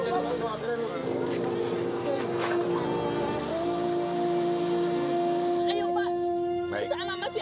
seolah olah jadi ketika kita tiba